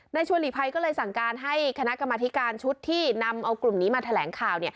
ชัวหลีกภัยก็เลยสั่งการให้คณะกรรมธิการชุดที่นำเอากลุ่มนี้มาแถลงข่าว